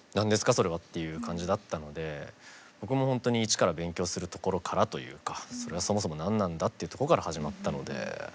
それはっていう感じだったので僕もほんとに一から勉強するところからというかそもそも何なんだというところから始まったのでなかなか大変でした。